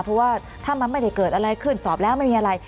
เพราะว่าถ้ามันไม่ได้เกิดอะไรขึ้นสอบแล้วไม่มีอะไร